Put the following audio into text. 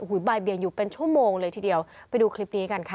บ่ายเบียงอยู่เป็นชั่วโมงเลยทีเดียวไปดูคลิปนี้กันค่ะ